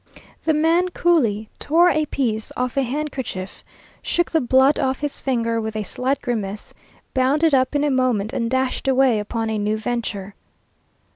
The man coolly tore a piece off a handkerchief, shook the blood off his finger with a slight grimace, bound it up in a moment, and dashed away upon a new venture.